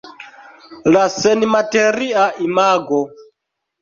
La senmateria imago.